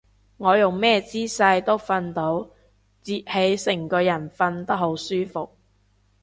我用咩姿勢都瞓到，摺起成個人瞓得好舒服